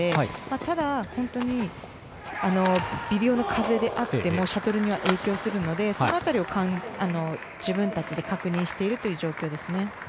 ただ、本当に微量の風であってもシャトルには影響するのでその辺りを自分たちで確認しているという状況ですね。